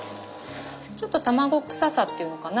ちょっと卵くささっていうのかな。